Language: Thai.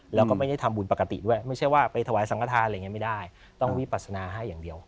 แล้วก็ไม่ได้ทำบุญปกติด้วยไม่ใช่ว่าไปถวายสังฆฐานอะไรอย่างนี้ไม่ได้ต้องวิปัสนาให้อย่างเดียว